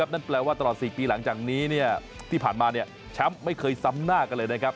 นั่นแปลว่าตลอด๔ปีหลังจากนี้ที่ผ่านมาแชมป์ไม่เคยซ้ำหน้ากันเลยนะครับ